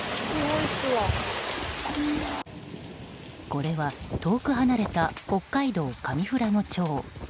これは遠く離れた北海道上富良野町。